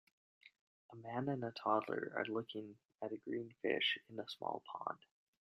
A man and a toddler are looking at a green fish in a small pond.